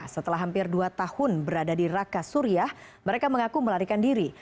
setelah hampir dua tahun berada di raka suriah mereka mengaku melarikan diri